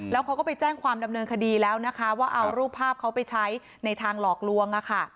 แล้วเขาก็ไปแจ้งความดำเนินคดีแล้วนะคะว่าเอารูปภาพเขาไปใช้ในทางหลอกลวง